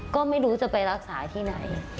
ก็ไม่รู้จะไปรักษาที่ไหน